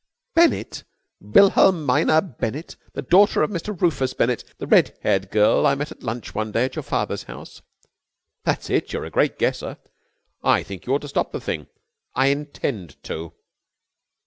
"Bennett? Wilhelmina Bennett? The daughter of Mr. Rufus Bennett? The red haired girl I met at lunch one day at your father's house?" "That's it. You're a great guesser. I think you ought to stop the thing." "I intend to."